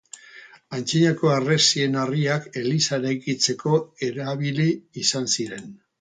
Antzinako harresien harriak eliza eraikitzeko erabili izan ziren.